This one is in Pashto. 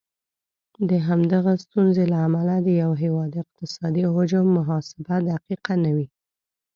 د همدغه ستونزې له امله د یو هیواد اقتصادي حجم محاسبه دقیقه نه وي.